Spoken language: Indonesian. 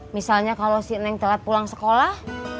misalnya kalau si neng telat pulang sekolah